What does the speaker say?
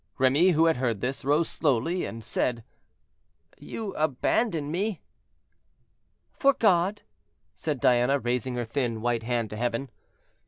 Remy, who had heard this, rose slowly, and said, "You abandon me?" "For God," said Diana, raising her thin white hand to heaven.